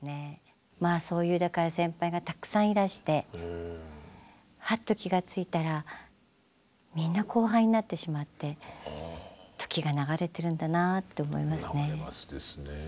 まあそういうだから先輩がたくさんいらしてハッと気がついたらみんな後輩になってしまって時が流れてるんだなぁと思いますね。